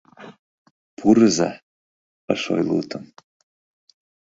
Пурыза, — ыш ойло утым